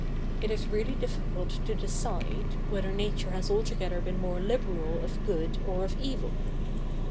It is really difficult to decide, whether Nature has altogether been more liberal of good or of evil.